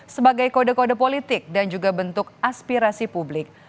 sebagai kode kode politik dan juga bentuk aspirasi publik